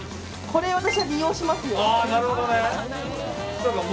これを私は利用しますよ。